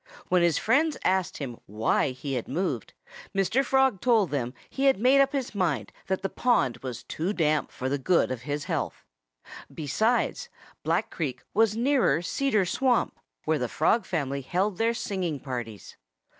When his friends asked him why he had moved Mr. Frog told them he had made up his mind that the pond was too damp for the good of his health. Besides, Black Creek was nearer Cedar Swamp, where the Frog family held their singing parties.